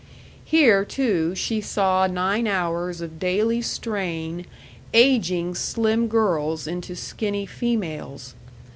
Here, too, she saw nine hours of daily strain aging slim girls into skinny females.